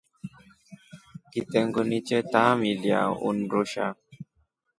Kitengu ni che tamilia undusha.